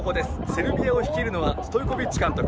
セルビアを率いるのは、ストイコビッチ監督。